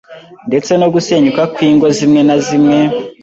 ndetse no gusenyuka kw’ingo zimwe na zimwe